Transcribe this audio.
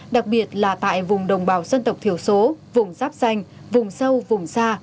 đặc biệt là tại vùng đồng bào dân tộc thiểu số vùng sáp xanh vùng sâu vùng xa